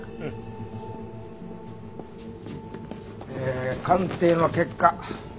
え鑑定の結果